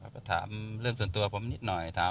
พักที่ไหนผมอยู่แถวรังสิทธิ์